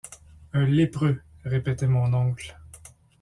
Un lépreux, répétait mon oncle.